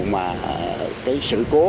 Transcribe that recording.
mà cái sự cố